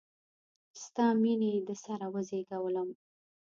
ستا میینې د سره وزیږولم